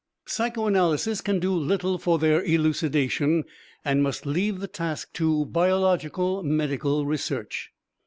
Psychoanalysis can do little for their elucidation, and must leave the task to biological medical research.